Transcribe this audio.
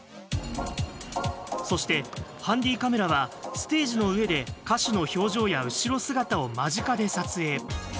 そして、ハンディーカメラはステージの上で歌手の表情や後ろ姿を間近で撮影。